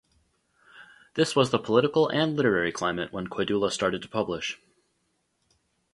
This was the political and literary climate when Koidula started to publish.